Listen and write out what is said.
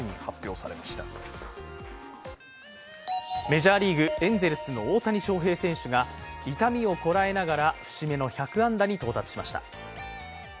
メジャーリーグエンゼルスの大谷翔平選手が痛みをこらえながら節目の１００安打に到達しました。